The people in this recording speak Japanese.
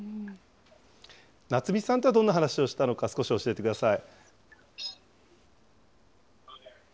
夏望さんとはどんな話をしたのか、少し教えてください。